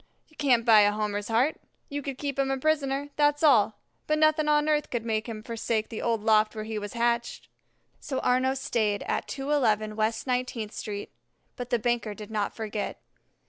You can't buy a Homer's heart. You could keep him a prisoner, that's all; but nothing on earth could make him forsake the old loft where he was hatched." So Arnaux stayed at 211 West Nineteenth Street. But the banker did not forget.